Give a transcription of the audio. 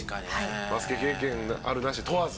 バスケ経験あるなし問わず。